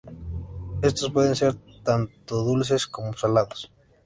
Estos pueden ser tanto dulces como salados.